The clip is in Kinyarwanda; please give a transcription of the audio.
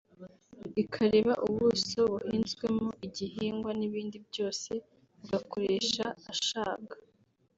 ikareba ubuso buhinzweho igihingwa n’ibindi byose ugakoresha ashaka